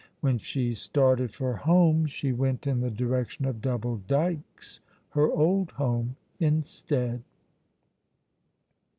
When she started for home she went in the direction of Double Dykes, her old home, instead.